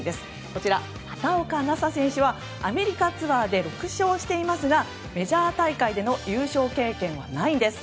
こちら、畑岡奈紗選手はアメリカツアーで６勝していますがメジャー大会での優勝経験はないんです。